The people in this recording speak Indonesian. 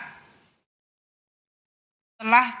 untuk kategori ketiga yaitu penerimaan negara bukan pajak